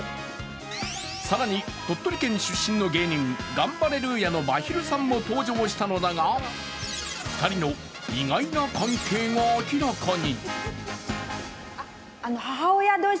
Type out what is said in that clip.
更に鳥取県出身の芸人、ガンバレルーヤのまひるさんも登場したのだが２人の意外な関係が明らかに。